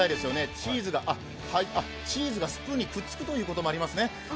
チーズがスプーンにくっつくということもありますね。